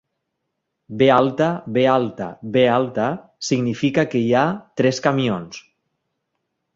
"B-B-B" significa que hi ha tres camions.